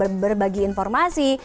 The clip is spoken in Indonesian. ini untuk berbagi informasi